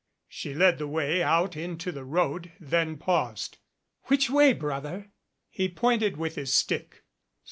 She led the way out into the road, then paused. "Which way, brother?" He pointed with his stick.